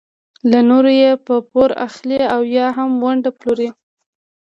له نورو یې په پور اخلي او یا هم ونډې پلوري.